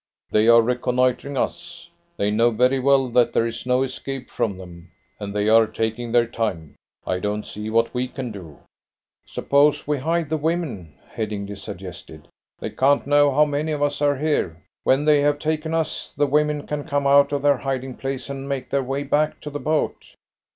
"They are reconnoitring us. They know very well that there is no escape from them, and they are taking their time. I don't see what we can do." "Suppose we hide the women," Headingly suggested. "They can't know how many of us are here. When they have taken us, the women can come out of their hiding place and make their way back to the boat."